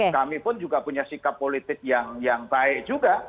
kami pun juga punya sikap politik yang baik juga